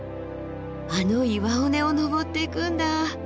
あの岩尾根を登っていくんだ。